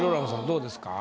どうですか？